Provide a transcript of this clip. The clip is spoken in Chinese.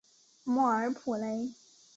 莫尔普雷。